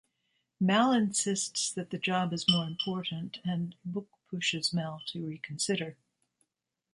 Mal insists that the job is more important, and Book pushes Mal to reconsider.